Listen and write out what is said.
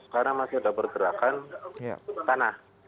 karena masih ada pergerakan tanah